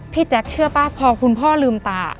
แจ๊คเชื่อป่ะพอคุณพ่อลืมตา